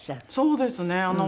そうですね。